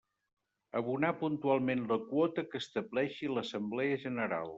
Abonar puntualment la quota que estableixi l'Assemblea General.